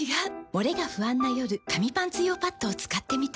モレが不安な夜紙パンツ用パッドを使ってみた。